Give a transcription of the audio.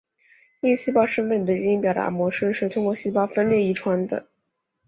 定义细胞身份的基因表达模式是通过细胞分裂遗传的。